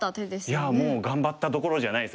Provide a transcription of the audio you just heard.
いやもう頑張ったどころじゃないです。